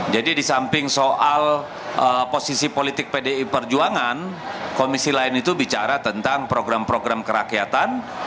di samping soal posisi politik pdi perjuangan komisi lain itu bicara tentang program program kerakyatan